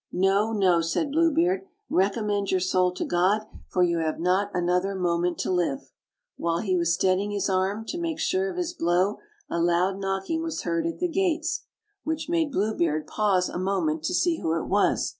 "No, no," said Blue Beard, "recommend your soul to God, for you have not another moment to live." While he was steadying his arm to make sure of his blow, a loud knocking was heard at the gutes, which 76 OLD, OLD FAIRY TALES. made Blue Beard pause a moment to see who it was.